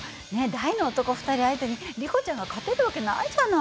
２人相手にリコちゃんが勝てる訳ないじゃない。